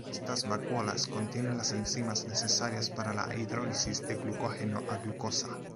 Estas vacuolas contienen las enzimas necesarias para la hidrólisis de glucógeno a glucosa.